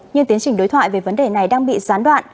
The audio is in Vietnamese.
nhưng tiến trình đối thoại về vấn đề này đang bị gián đoạn